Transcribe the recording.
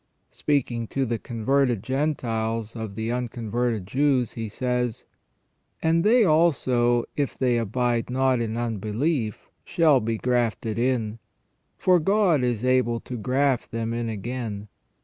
Speaking to the con verted Gentiles of the unconverted Jews, he says :" And they also, if they abide not in unbelief, shall be grafted in. For God is able to graft them in again.